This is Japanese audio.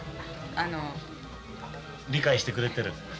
あの・理解してくれてる？